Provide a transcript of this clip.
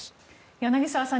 柳澤さん